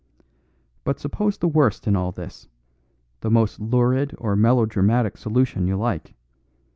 But suppose the worst in all this, the most lurid or melodramatic solution you like.